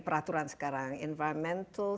peraturan sekarang environmental